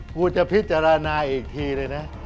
กูจะพิจารณาอีกทีเลยนะ